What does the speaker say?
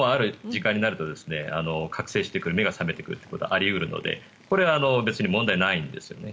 時間になると覚醒してくる目が覚めてくるということはあり得るのでこれ、別に問題ないんですよね。